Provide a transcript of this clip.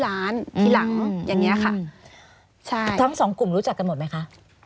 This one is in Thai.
ล้านทีหลังอย่างเงี้ยค่ะใช่ทั้งสองกลุ่มรู้จักกันหมดไหมคะ